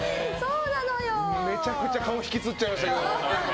めちゃくちゃ顔ひきつっちゃいましたけど。